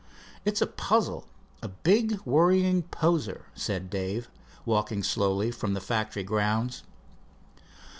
"It's a puzzle, a big, worrying poser," said Dave, walking slowly from the factory grounds.